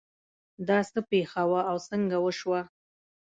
دا څه پېښه وه او څنګه وشوه